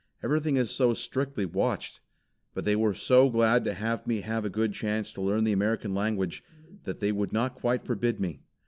Everything is so strictly watched. But they were so glad to have me have a good chance to learn the American language, that they would not quite forbid me.